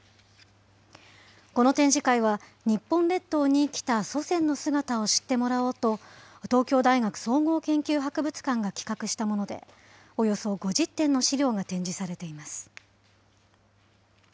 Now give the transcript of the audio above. この展示会は日本列島に生きた祖先の姿を知ってもらおうと、東京大学総合研究博物館が企画したもので、およそ５０点の資料が展示されています。